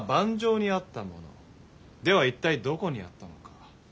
では一体どこにあったのか？